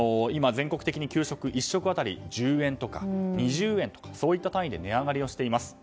全国的に給食費が１食あたり１０円とか２０円とか、そういった単位で値上がりしています。